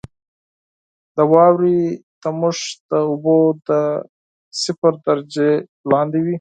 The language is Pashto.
• د واورې تودوخه د اوبو د صفر درجې لاندې وي.